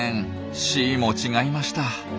Ｃも違いました。